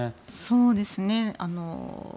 そうですね。